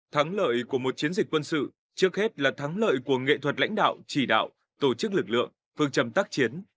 thắng lợi của một chiến dịch quân sự trước hết là thắng lợi của nghệ thuật lãnh đạo chỉ đạo tổ chức lực lượng phương trầm tác chiến